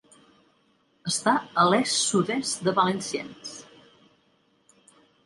Està a l'est-sud-est de Valenciennes.